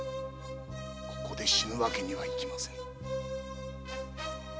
ここで死ぬ訳にはいきませぬ。